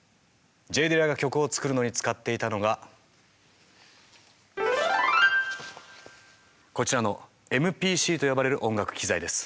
Ｊ・ディラが曲を作るのに使っていたのがこちらのＭＰＣと呼ばれる音楽機材です。